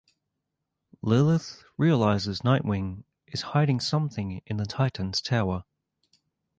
Lilith realizes Nightwing is hiding something in the Titans tower.